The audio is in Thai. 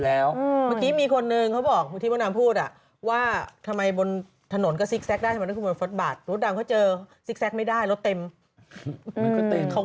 สักคิ้วทำสีผมเดี๋ยวต้องเป็นมาสหน้า